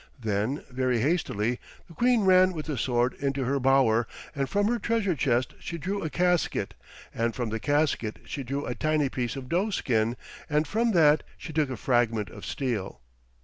Then, very hastily, the queen ran with the sword into her bower, and from her treasure chest she drew a casket, and from the casket she drew a tiny piece of doeskin, and from that she took a fragment of steel.